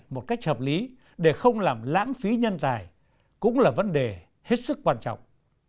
một cách hợp lý để không làm lãng phí nhân tài cũng là vấn đề hết sức quan trọng